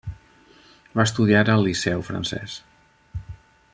Va estudiar al Liceu Francès.